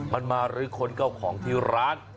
มันมารื้อค้นเจ้าของที่ร้าน